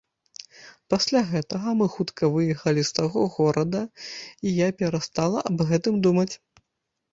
Пасля гэтага, мы хутка выехалі з таго горада, і я перастала аб гэтым думаць.